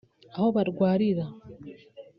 aho barwarira